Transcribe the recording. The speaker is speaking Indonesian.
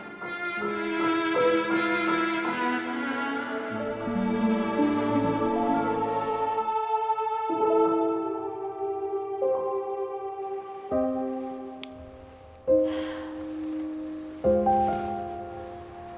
terima kasih pak